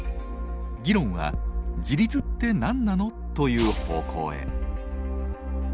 議論は「自立ってなんなの？」という方向へ。